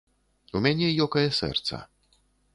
У мяне ёкае сэрца.